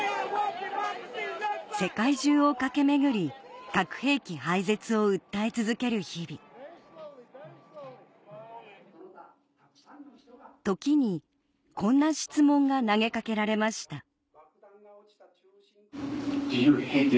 世界中を駆け巡り核兵器廃絶を訴え続ける日々時にこんな質問が投げ掛けられました